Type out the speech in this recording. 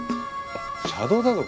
車道だぞ